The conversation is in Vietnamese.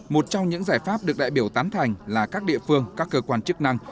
một trong những giải pháp được đại biểu tán thành là các địa phương các cơ quan chức năng